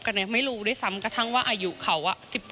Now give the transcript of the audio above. อ่าเดี๋ยวฟองดูนะครับไม่เคยพูดนะครับ